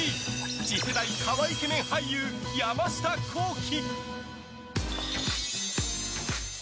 次世代カワイケメン俳優山下幸輝！